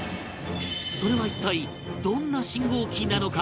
それは一体どんな信号機なのか？